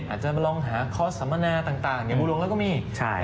อาจจะมาลองหาคอร์สสัมมนาต่างอย่างบูลวงแล้วก็มี